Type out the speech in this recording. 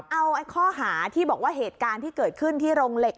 เอาข้อหาที่บอกว่าเหตุการณ์ที่เกิดขึ้นที่โรงเหล็ก